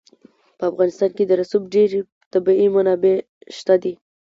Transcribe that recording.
په افغانستان کې د رسوب ډېرې طبیعي منابع شته دي.